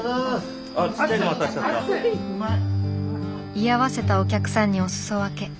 居合わせたお客さんにお裾分け。